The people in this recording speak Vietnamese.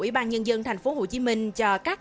ủy ban nhân dân tp hcm cho các